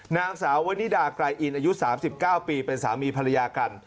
นางสาววนิดาไกรอินอายุ๓๙ปีเป็นสามีภรรยากัน